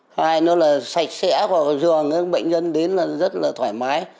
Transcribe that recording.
hai nó là sạch sẽ và dường bệnh nhân đến là rất là thoải mái